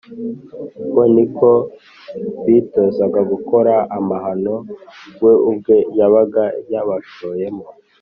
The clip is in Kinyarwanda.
uko ni ko bitozaga gukora amahano we ubwe yabaga yabashoyemo